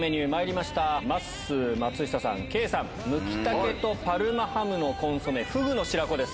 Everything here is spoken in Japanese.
まっすー、松下さん、圭さん、ムキタケとパルマハムのコンソメ河豚の白子です。